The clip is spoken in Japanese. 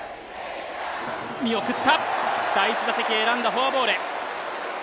見送った第１打席選んだフォアボール